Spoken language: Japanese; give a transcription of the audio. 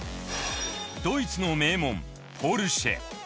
ドイツの名門ポルシェ。